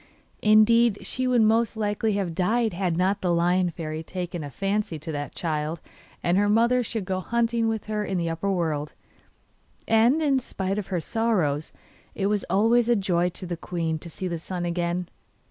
Indeed, she would most likely have died had not the Lion Fairy taken a fancy that the child and her mother should go hunting with her in the upper world, and, in spite of her sorrows, it was always a joy to the queen to see the sun again.